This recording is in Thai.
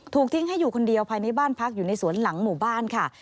ทิ้งให้อยู่คนเดียวภายในบ้านพักอยู่ในสวนหลังหมู่บ้านค่ะ